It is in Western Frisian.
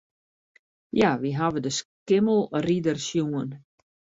Ja, wy hawwe de Skimmelrider sjoen.